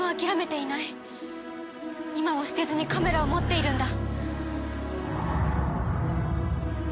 今も捨てずにカメラを持っているんだ。